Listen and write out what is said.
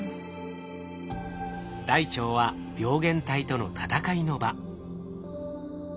大腸は病原体との闘いの場。